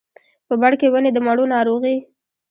په بڼ کې ونې د مڼو، ناروغې